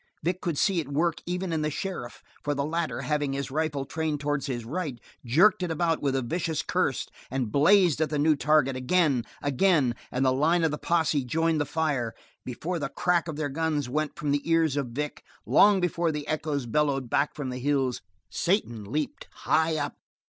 Vic could see it work even in the sheriff, for the latter, having his rifle trained towards his right jerked it about with a short curse and blazed at the new target, again, again, and the line of the posse joined the fire. Before the crack of their guns went from the ears of Vic, long before the echoes bellowed back from the hills, Satan leaped high up.